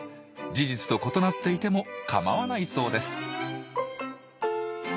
事実と異なっていてもかまわないそうです